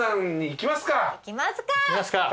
行きますか。